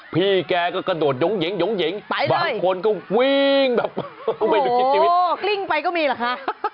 พี่แกก็กระโดดหย่งหย่งหย่งหย่งบางคนก็วิ่งแบบโหกลิ้งไปก็มีหรอคะ